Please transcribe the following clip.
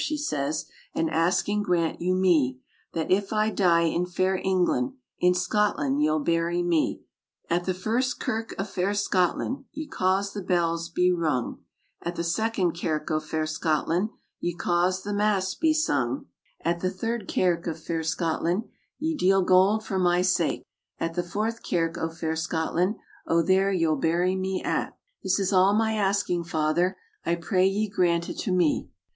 she says, "An asking grant you me; That if I die in fair England, In Scotland ye'll bury me. "At the first kirk o' fan Scotland, Ye cause the bells be rung; At the second kirk o' fair Scotland, Ye cause the mass be sung; "At the third kirk o' fair Scotland, Ye deal gold for my sake; At the fourth kirk o' fair Scotland, O there ye'll bury me at! RAINBOW GOLD 'This is all my asking, father, I pray ye grant it me!"